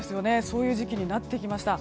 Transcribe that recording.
そういう時期になってきました。